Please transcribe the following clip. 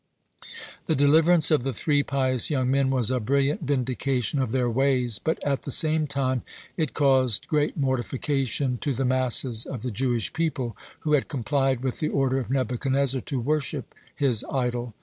The deliverance of the three pious young men was a brilliant vindication of their ways, but at the same time it caused great mortification to the masses of the Jewish people, who had complied with the order of Nebuchadnezzar to worship his idol.